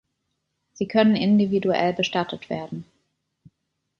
Sie können individuell bestattet werden.